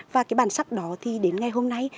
và cái bản sắc đó thì đến ngày hôm nay